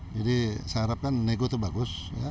jadi saya harapkan nego itu bagus